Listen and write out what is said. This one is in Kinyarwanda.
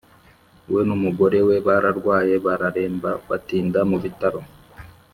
We n’umugore we bararwaye bararemba Batinda mu bitaro.